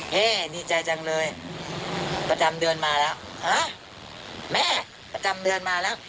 ดีใจจังเลยประจำเดือนมาแล้วฮะแม่ประจำเดือนมาแล้ว